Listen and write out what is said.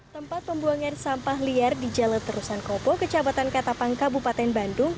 tempat pembuangan sampah liar di jalaterusan kopo kejabatan katapangka bupaten bandung